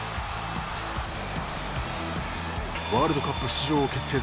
ワールドカップ出場を決定